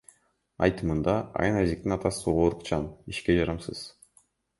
Айтымында, Айназиктин атасы оорукчан, ишке жарамсыз.